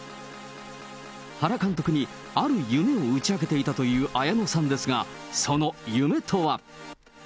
原監督にある夢を打ち明けていたという綾野さんですが、その夢とは。